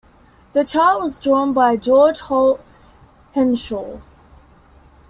This chart was drawn by George Holt Henshaw.